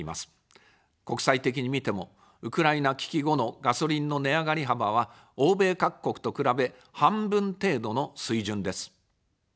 国際的に見ても、ウクライナ危機後のガソリンの値上がり幅は、欧米各国と比べ、半分程度の水準です。